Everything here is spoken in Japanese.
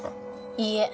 いいえ。